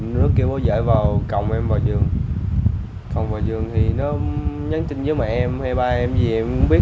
nó kêu bố dạy vào cộng em vào giường cộng vào giường thì nó nhắn tin với mẹ em hay ba em gì em cũng biết